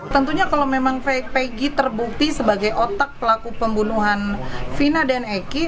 tentunya kalau memang peggy terbukti sebagai otak pelaku pembunuhan vina dan eki